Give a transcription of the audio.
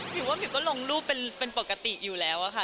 ว่ามิวก็ลงรูปเป็นปกติอยู่แล้วอะค่ะ